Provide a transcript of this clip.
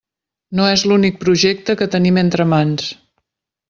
No és l'únic projecte que tenim entre mans.